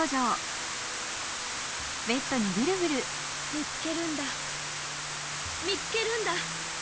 みつけるんだみつけるんだ